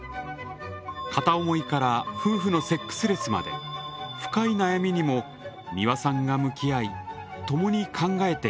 片思いから夫婦のセックスレスまで深い悩みにも美輪さんが向き合い共に考えてゆきます。